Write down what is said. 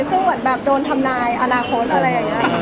ซึ่งเหมือนแบบโดนทำนายอนาคตอะไรอย่างนี้